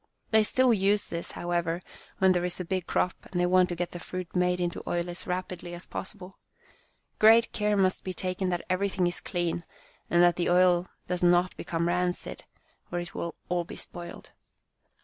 They still use this, however, when there is a big crop, and they want to get the fruit made into oil as rapidly as possible. Great care must be taken that everything is clean and that the oil does not become rancid, or it will all be spoiled."